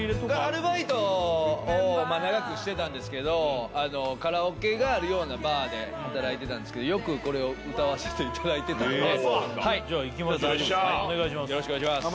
アルバイトを長くしてたんですけどカラオケがあるようなバーで働いてたんですけどよくこれを歌わせていただいてたんでじゃあいきましょうお願いします